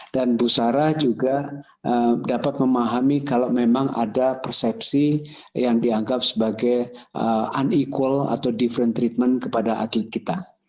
dan ibu sarah juga dapat memahami kalau memang ada persepsi yang dianggap sebagai unequal atau different treatment kepada atlet kita